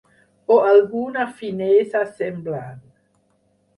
O alguna finesa semblant.